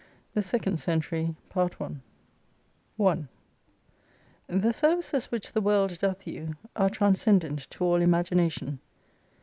79 THE SECOND CENTURY THE Services which the world doth you, are trans cendent to all imagination.